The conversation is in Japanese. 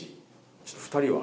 ちょっと２人は。